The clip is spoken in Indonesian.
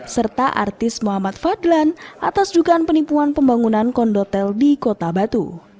serta artis muhammad fadlan atas dugaan penipuan pembangunan kondotel di kota batu